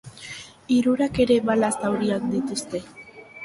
Hirurek ere bala zauriak dituzte.